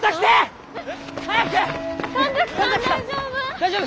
大丈夫！？